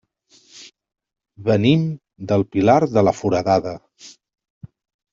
Venim del Pilar de la Foradada.